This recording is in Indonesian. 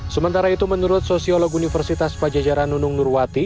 sementara itu menurut sosiolog universitas pajajaran nung nung nurwati